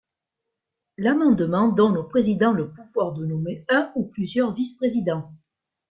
L'amendement donne au président le pouvoir de nommer un ou plusieurs vice-présidents.